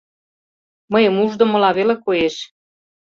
Мыйым уждымыла веле коеш.